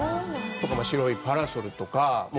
「白いパラソル」とか。